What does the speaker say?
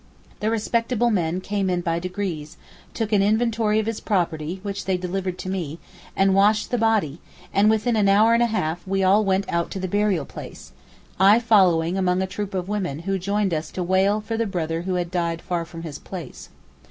The 'respectable men' came in by degrees, took an inventory of his property which they delivered to me, and washed the body, and within an hour and a half we all went out to the burial place; I following among a troop of women who joined us to wail for 'the brother who had died far from his place.